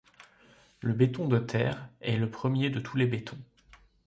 Le béton de terre est le premier de tous les bétons.